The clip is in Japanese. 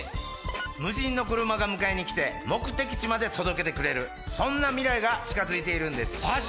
無人の車が迎えに来て目的地まで届けてくれるそんな未来が近づいているんですマジ